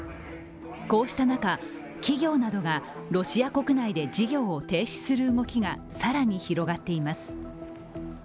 こうした中、企業などがロシア国内で事業を停止する動きが更に広がつています。